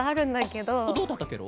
どうだったケロ？